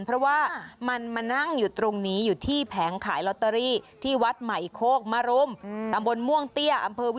เพราะว่ามันนั่งอยู่ตรงนี้อยู่ที่แผงขายลอตเตอรี่